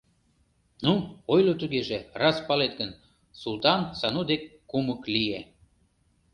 — Ну, ойло тугеже, раз палет гын— Султан Сану дек кумык лие.